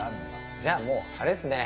じゃあ、もう、あれですね。